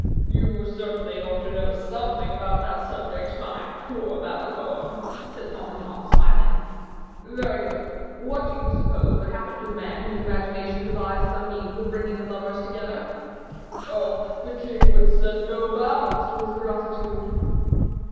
"You certainly ought to know something about the subject, my poor Malicorne," said Saint Aignan, smiling. "Very good; what do you suppose would happen to the man whose imagination devised some means of bringing the lovers together?" "Oh! the king would set no bounds to his gratitude."